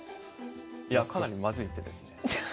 いやかなりまずい手ですね。